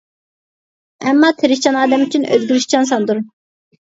ئەمما تىرىشچان ئادەم ئۈچۈن ئۆزگىرىشچان ساندۇر.